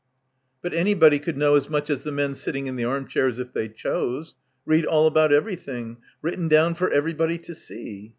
But anybody could know as much as the men sitting in the armchairs if they chose; read all about everything, written down for every body to see.